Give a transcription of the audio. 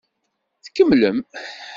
Tkemmlem.